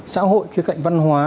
xã hội kia cạnh văn hóa